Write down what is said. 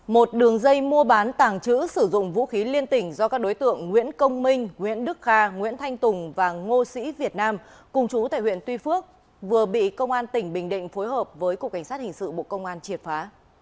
một đường dây mua bán tàng trữ sử dụng vũ khí liên tỉnh do các đối tượng nguyễn công minh nguyễn đức kha nguyễn thanh tùng và ngô sĩ việt nam cùng chú tại huyện tuy phước vừa bị công an tỉnh bình định phối hợp với cục cảnh sát hình sự bộ công an triệt phá